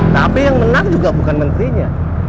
tapi yang menang juga bukan menterinya